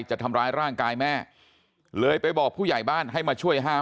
จะทำร้ายร่างกายแม่เลยไปบอกผู้ใหญ่บ้านให้มาช่วยห้าม